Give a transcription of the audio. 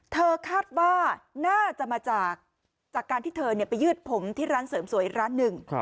คาดว่าน่าจะมาจากการที่เธอไปยืดผมที่ร้านเสริมสวยอีกร้านหนึ่ง